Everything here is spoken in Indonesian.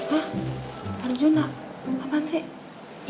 hah arjuna apaan sih